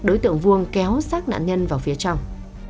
đối tượng vuông kéo sát nạn nhân vào phía trong